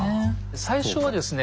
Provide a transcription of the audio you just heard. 最初はですね